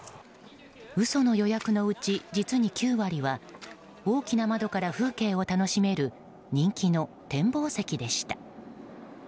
嘘の予約のうち、実に９割は大きな窓から風景を楽しめる人気の展望席でした。